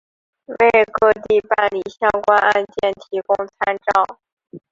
为各地办理相关案件提供参照